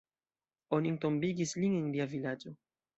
Oni entombigis lin en lia vilaĝo.